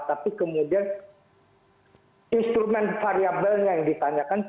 tapi kemudian instrumen variabelnya yang ditanyakan